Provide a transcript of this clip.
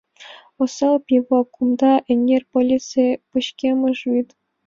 Осал пий-влак, кумда эҥер, полицей, пычкемыш вӱд!